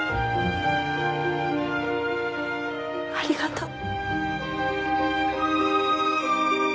ありがとう。